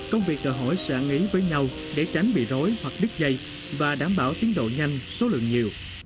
công việc đòi hỏi sự ý với nhau để tránh bị rối hoặc đứt dây và đảm bảo tiến độ nhanh số lượng nhiều